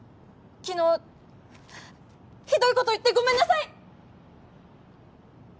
昨日ひどいこと言ってごめんなさい！